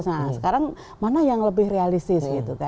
nah sekarang mana yang lebih realistis